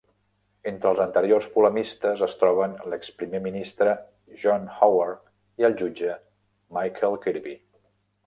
Entre els anteriors polemistes es troben l'ex-primer ministre John Howard i el jutge Michael Kirby.